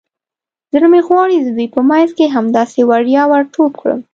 زړه مې غواړي د دوی په منځ کې همداسې وړیا ور ټوپ کړم.